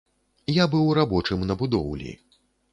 Я быў рабочым на будоўлі.